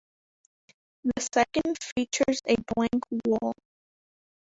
The second features a blank wall.